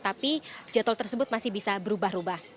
tapi jadwal tersebut masih bisa berubah ubah